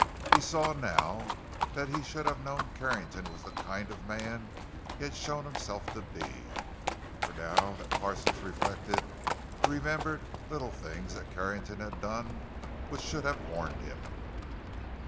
He saw now that he should have known Carrington was the kind of man he had shown himself to be; for now that Parsons reflected, he remembered little things that Carrington had done which should have warned him.